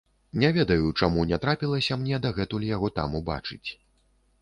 Не ведаю, чаму не трапілася мне дагэтуль яго там убачыць.